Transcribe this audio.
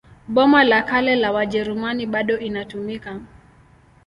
Boma la Kale la Wajerumani bado inatumika.